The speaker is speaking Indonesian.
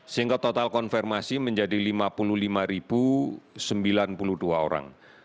sehingga total konfirmasi menjadi lima puluh lima sembilan puluh dua orang